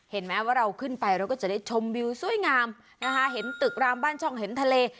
เห็นไหมว่าเราขึ้นไปเราก็จะได้ชมวิวสวยงามนะคะเห็นตึกรามบ้านช่องเห็นทะเล